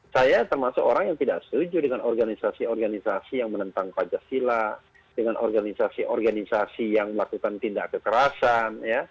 saya termasuk orang yang tidak setuju dengan organisasi organisasi yang menentang pancasila dengan organisasi organisasi yang melakukan tindak kekerasan